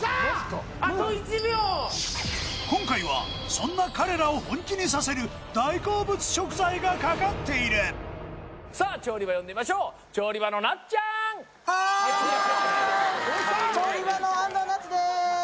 ・あと１秒今回はそんな彼らを本気にさせる大好物食材がかかっているさあ調理場呼んでみましょうはい調理場の安藤なつです